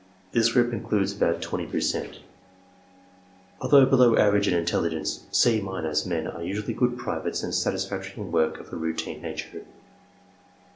This group includes about twenty per cent. Although below average in intelligence, " C —" men are usually good privates and satisfactory in work of a routine nature.